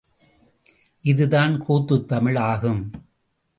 இதுதான் கூத்துத் தமிழ் ஆகும்.